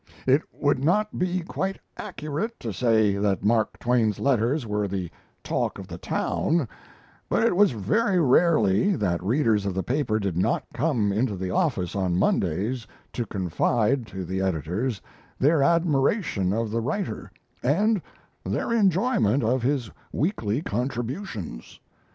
"It would not be quite accurate to say that Mark Twain's letters were the talk of the town; but it was very rarely that readers of the paper did not come into the office on Mondays to confide to the editors their admiration of the writer, and their enjoyment of his weekly contributions.